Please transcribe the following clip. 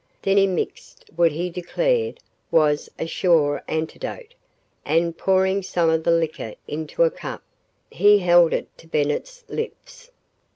Then he mixed what he declared was a sure antidote, and, pouring some of the liquor into a cup, he held it to Bennett's lips.